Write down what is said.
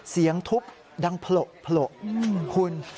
เสียงทุบดังโละคุณ